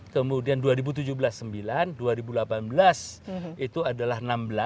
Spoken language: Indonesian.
kemudian dua ribu tujuh belas sembilan dua ribu delapan belas itu adalah enam belas